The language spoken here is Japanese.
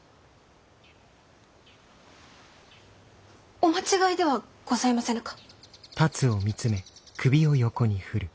おお間違いではございませぬか。